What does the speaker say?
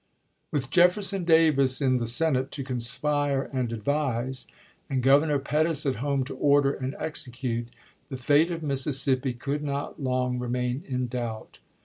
With Jefferson Davis in the Senate to conspire and advise, and Governor Pettus at home to order and execute, the fate of Mississippi could not long remain in doubt.